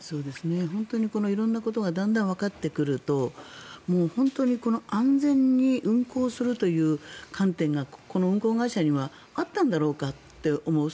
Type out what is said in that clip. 本当に色々なことがだんだんわかってくると本当に安全に運航するという観点がこの運航会社にはあったんだろうかと思う。